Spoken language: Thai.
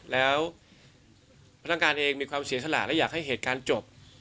แล้วพนักงานเองมีความเสียสละและอยากให้เหตุการณ์จบ